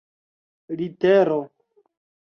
litero